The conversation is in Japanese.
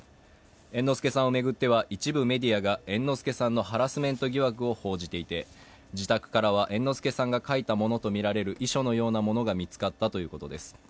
猿之助さんを巡っては一部メディアが猿之助さんのハラスメント疑惑を報じていて自宅からは猿之助さんが書いたものとみられる遺書のようなものが見つかったということです。